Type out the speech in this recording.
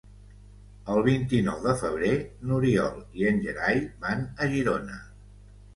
El vint-i-nou de febrer n'Oriol i en Gerai van a Girona.